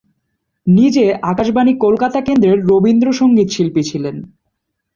নিজে আকাশবাণী কলকাতা কেন্দ্রের রবীন্দ্রসঙ্গীত শিল্পী ছিলেন।